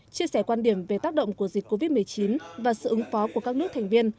chia sẻ quan điểm về tác động của dịch covid một mươi chín và sự ứng phó của các nước thành viên